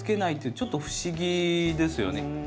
ちょっと不思議ですよね。